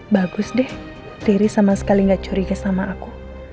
bagus deh tirry sama sekali gak curiga sama aku